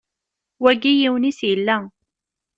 Wagi yiwen-is yella.